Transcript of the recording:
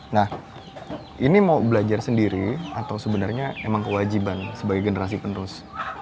nah ini mau belajar sendiri atau sebenarnya emang kewajiban sebagai generasi penerus